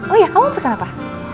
oh iya kamu pesen apa